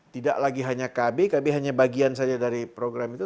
tidak lagi hanya kb kb hanya bagian saja dari program itu